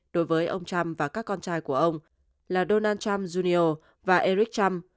đối với ông trump và các con trai của ông là donald trump junio và eric trump